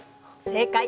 正解。